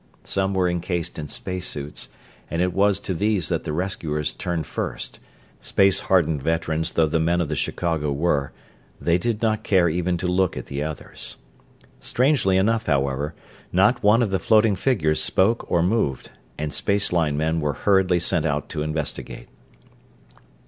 Some were encased in space suits, and it was to these that the rescuers turned first space hardened veterans though the men of the Chicago were, they did not care even to look at the others. Strangely enough, however, not one of the floating figures spoke or moved, and space line men were hurriedly sent out to investigate.